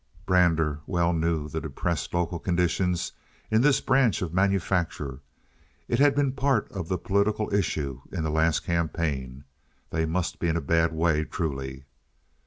Brander well knew the depressed local conditions in this branch of manufacture. It had been part of the political issue in the last campaign. They must be in a bad way truly.